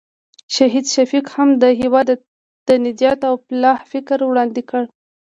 شهید شفیق هم د هېواد د نجات او فلاح فکر وړاندې کړ.